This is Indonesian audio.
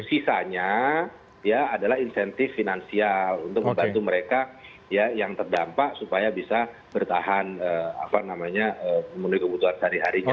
kisahnya ya adalah insentif finansial untuk membantu mereka ya yang terdampak supaya bisa bertahan apa namanya menurut kebutuhan sehari harinya